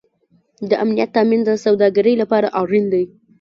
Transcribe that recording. د امنیت تامین د سوداګرۍ لپاره اړین دی